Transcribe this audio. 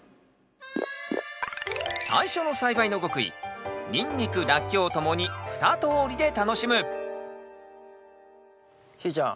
最初の栽培の極意ニンニクラッキョウともに２通りで楽しむしーちゃん。